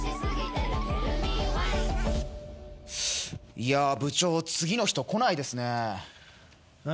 いや部長次の人来ないですね。